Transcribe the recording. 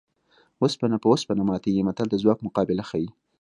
اوسپنه په اوسپنه ماتېږي متل د ځواک مقابله ښيي